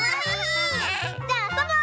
じゃああそぼう！